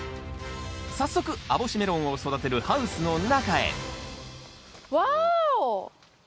早速網干メロンを育てるハウスの中へわお！